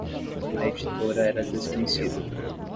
A editora era desconhecida.